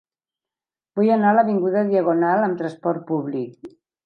Vull anar a l'avinguda Diagonal amb trasport públic.